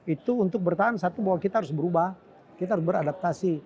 itu untuk bertahan satu bahwa kita harus berubah kita harus beradaptasi